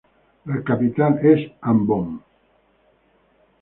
La capital es Ambon.